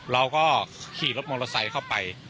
เราก็ขี่รถมอเมษัยเข้าไป